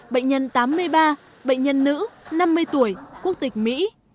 bệnh nhân tám mươi ba bệnh nhân nữ năm mươi tuổi quốc tịch mỹ